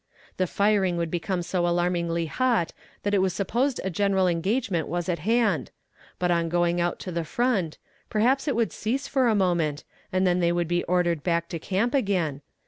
The firing would become so alarmingly hot that it was supposed a general engagement was at hand; but on going out to the front, perhaps it would cease for a moment, then they would be ordered back to camp again.